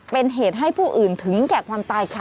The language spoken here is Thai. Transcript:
เป็นเหตุให้ผู้อื่นถึงแก่ความตายค่ะ